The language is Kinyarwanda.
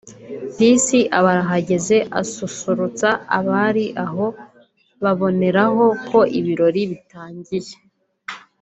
Peace aba arahageze asusurutsa abari aho baboneraho ko ibirori bitangiye